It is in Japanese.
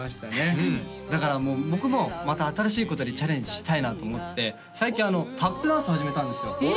確かにだから僕もまた新しいことにチャレンジしたいなと思って最近タップダンス始めたんですよえ！